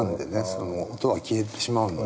その音は消えてしまうので。